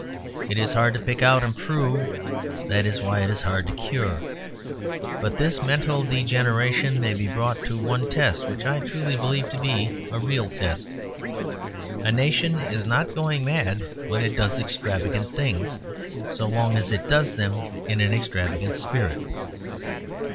It is hard to pick out and prove; that is why it is hard to cure. But this mental degeneration may be brought to one test, which I truly believe to be a real test. A nation is not going mad when it does extravagant things, so long as it does them in an extravagant spirit.